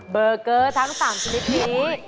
เบอร์เกอร์ทั้ง๓ชนิดนี้